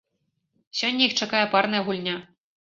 Сёння іх чакае парная гульня.